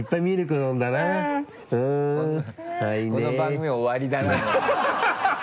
この番組終わりだな。